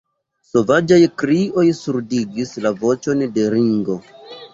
Sovaĝaj krioj surdigis la voĉon de Ringo.